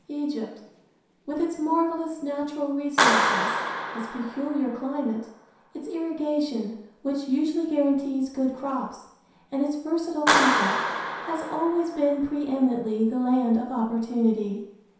Egypt, with its marvelous natural resources, its peculiar climate, its irrigation, which usually guarantees good crops, and its versatile people, has always been pre eminently the land of opportunity.